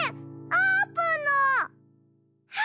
あーぷん！